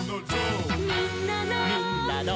「みんなの」